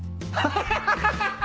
ハハハハ！